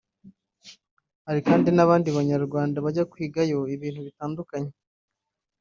Hari kandi n’abandi Banyarwanda bajya kwigayo ibintu bitandukanye